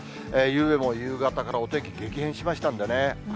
ゆうべも夕方からお天気、激変しましたんでね。